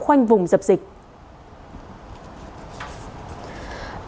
khoanh vùng dập dịch